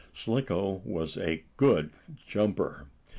Slicko was a good jumper.